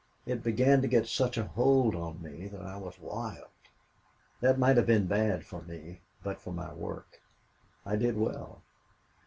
It began to get such a hold on me that I was wild. That might have been bad for me but for my work. I did well.